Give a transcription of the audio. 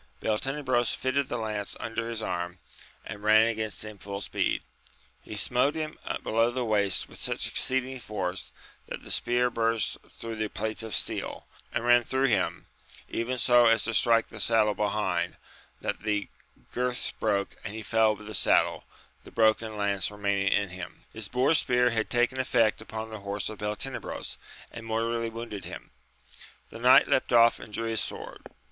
Beltenebros fitted the lance under his arm, and ran against him full speed : he smote him below the waist with such exceeding force that the spear burst through the plates of steel, and ran through him, even so as to strike the saddle behind, that the girths broke, and he fell with the saddle, the broken lance remaining in him. His boar spear had taken effect upon the horse of Beltenebros, and mortally wounded him. The knight leapt off and drew his sword.